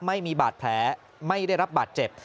ไม่มีบาดแผลไม่ได้รับบาดเจ็บ